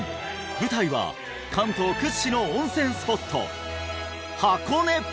舞台は関東屈指の温泉スポット箱根！